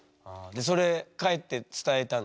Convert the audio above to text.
でそれ帰って伝えたんでしょ？